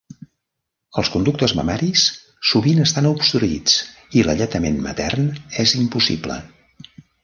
Els conductes mamaris sovint estan obstruïts i l'alletament matern és impossible.